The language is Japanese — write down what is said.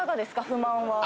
不満は。